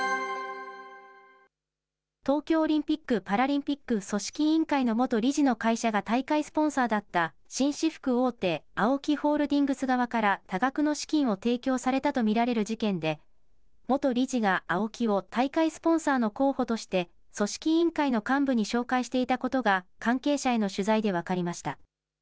東京オリンピック・パラリンピック組織委員会の元理事の会社が大会スポンサーだった紳士服大手、ＡＯＫＩホールディングス側から、多額の資金を提供されたと見られる事件で、元理事がＡＯＫＩを大会スポンサーの候補として組織委員会の幹部に紹介していたことが、関係者への取材で分かりました。